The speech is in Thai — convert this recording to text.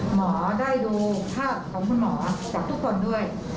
หมอได้ดูภาพของคุณหมอจากทุกคนด้วย